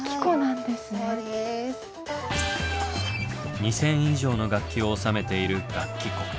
２，０００以上の楽器を収めている楽器庫。